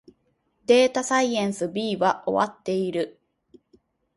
データサイエンス B は終わっている